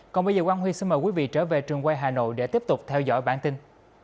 còn bây giờ quang huy xin mời quý vị trở về trường quay hà nội để tiếp tục theo dõi bản tin